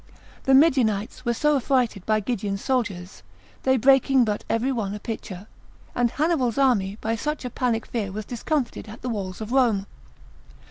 The Midianites were so affrighted by Gideon's soldiers, they breaking but every one a pitcher; and Hannibal's army by such a panic fear was discomfited at the walls of Rome.